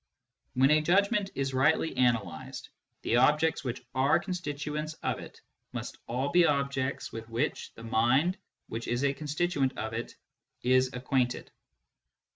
When a judgment is rightly analysed, the objects which are con stituents of it must all be objects with which the mind which is a constituent of it is acquainted.